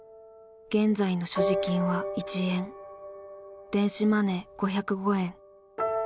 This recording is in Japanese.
「現在の所持金は１円電子マネー５０５円」。